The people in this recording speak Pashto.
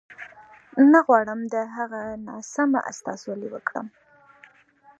نه غواړم د هغه ناسمه استازولي وکړم.